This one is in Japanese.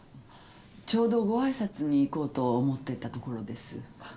ちょうどご挨拶に行こうと思っていたところです。